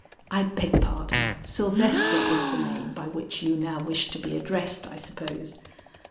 I beg pardon, Sylvester is the name by which you now wish to be addressed I suppose.